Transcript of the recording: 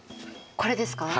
これですか。